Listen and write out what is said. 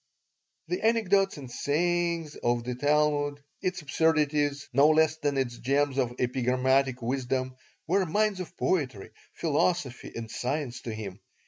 The anecdotes and sayings of the Talmud, its absurdities no less than its gems of epigrammatic wisdom, were mines of poetry, philosophy, and science to him.